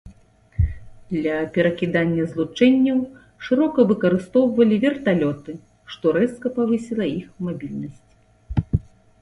Для перакідання злучэнняў шырока выкарыстоўвалі верталёты, што рэзка павысіла іх мабільнасць.